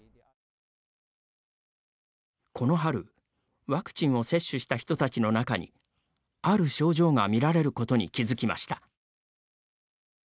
この春ワクチンを接種した人たちの中にある症状が見られることに気づきました。